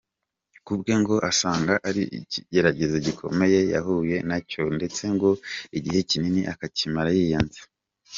Kubwe ngo asanga ari ikigeragezo gikomeye yahuye nacyo ndetse ngo igihe kinini akimara yiyanze.